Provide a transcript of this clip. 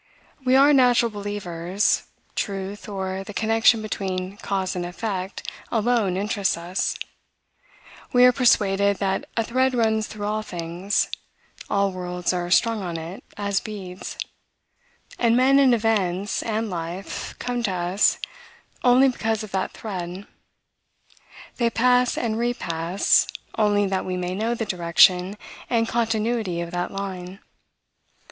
We are natural believers. Truth, or the connection between cause and effect, alone interests us. We are persuaded that a thread runs through all things; all worlds are strung on it, as beads; and men, and events, and life, come to us, only because of that thread; they pass and repass, only that we may know the direction and continuity of that line.